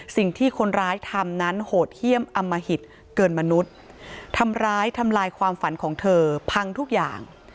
สิ่งที่คนร้ายทำนั้นโหดเยี่ยมอมหิตเกินมนุษย์ทำร้ายทำลายความฝันของเธอพังทุกอย่าง